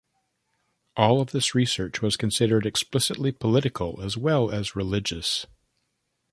All of this research was considered explicitly political as well as religious.